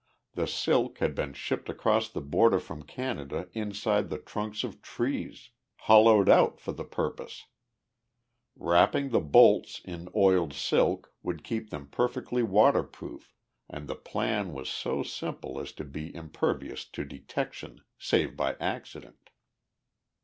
The silk had been shipped across the border from Canada inside the trunks of trees, hollowed out for the purpose! Wrapping the bolts in oiled silk would keep them perfectly waterproof and the plan was so simple as to be impervious to detection, save by accident.